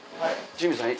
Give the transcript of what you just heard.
ジミーさん